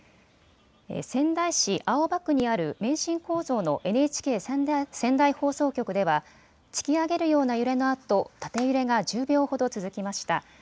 仙台市青葉区にある免震構造のＮＨＫ仙台放送局では突き上げるような揺れのあと縦揺れが１０秒ほど続きました。